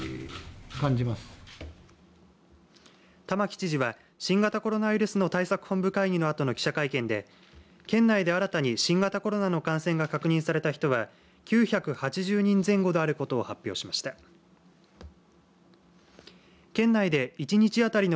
玉城知事は新型コロナウイルスの対策本部会議のあとの記者会見で県内で新たに新型コロナの感染が確認された人は９８０人前後であることを発表しました。